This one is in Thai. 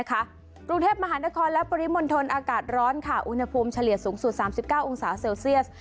กรุงเทพมหานครและปริมณฑลอากาศร้อนค่ะอุณหภูมิเฉลี่ยสูงสุด๓๙องศาเซลเซียส